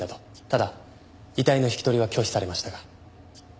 ただ遺体の引き取りは拒否されましたが。